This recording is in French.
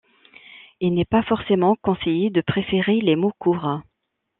Il n'est pas forcément conseillé de préférer les mots courts.